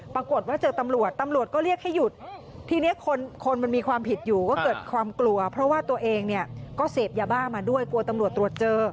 ปรากฏว่าเจอตำรวจตำรวจก็เรียกให้หยุดทีนี้คนมันมีความผิดอยู่ก็เกิดความกลัวเพราะว่าตัวเองเนี่ยก็เสพยาบ้ามาด้วยกลัวตำรวจตรวจเจอ